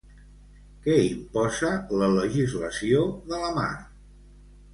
Què imposa la legislació de la mar?